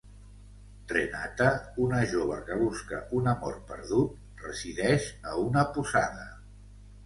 Renata, una jove que busca un amor perdut, resideix a una posada.